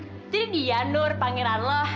jadi dia nur pangeran lo